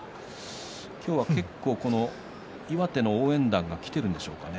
今日は結構岩手の応援団が来ているんでしょうかね